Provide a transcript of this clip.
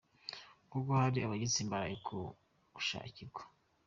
kuko hari abagitsimbaraye ku gushakirwa.